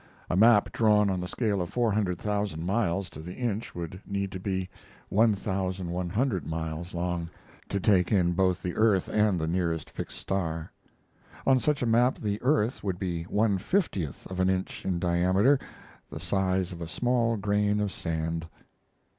A map drawn on the scale of 400,000 miles to the inch would need to be 1,100 miles long to take in both the earth and the nearest fixed star. On such a map the earth would be one fiftieth of an inch in diameter the size of a small grain of sand.